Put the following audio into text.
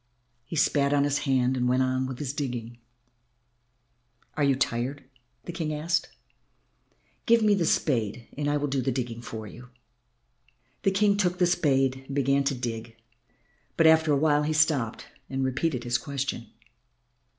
He spat on his hand and went on with his digging. "You are tired," the King said; "give me the spade and I will do the digging for you." The King took the spade and began to dig, but after a while he stopped and repeated his question.